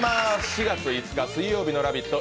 ４月５日水曜日の「ラヴィット！」